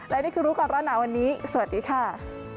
และนี่คือรู้ก่อนร้อนหนาวันนี้สวัสดีค่ะ